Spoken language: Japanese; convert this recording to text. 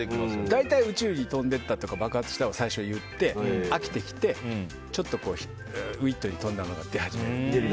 大体、宇宙に飛んでいったとか爆発したを最初言って飽きてきて、ちょっとウィットに富んだものがでてくる。